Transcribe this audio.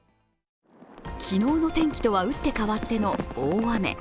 昨日の天気とは打って変わっての大雨。